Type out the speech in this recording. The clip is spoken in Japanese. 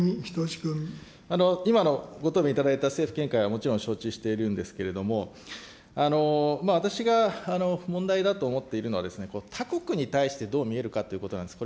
今のご答弁いただいた政府見解はもちろん承知しているんですけれども、私が問題だと思っているのは、他国に対してどう見えるかということなんです。